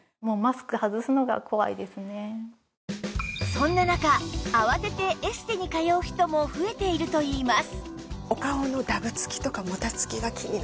そんな中慌ててエステに通う人も増えているといいます